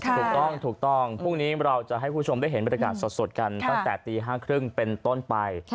พรุ่งนี้เราจะให้ผู้ชมได้เห็นบริษัทสดกันตั้งแต่ตี๕๓๐เป็นต้นไป